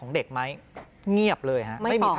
ลองไปดูบรรยากาศช่วงนั้นนะคะ